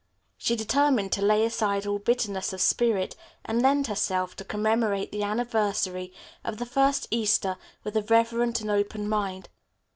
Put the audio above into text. She determined to lay aside all bitterness of spirit and lend herself to commemorate the anniversary of the first Easter with a reverent and open mind.